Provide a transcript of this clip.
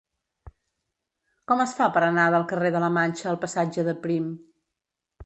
Com es fa per anar del carrer de la Manxa al passatge de Prim?